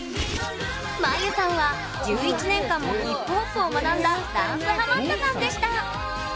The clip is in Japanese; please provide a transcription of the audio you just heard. まゆさんは１１年間もヒップホップを学んだダンスハマったさんでした。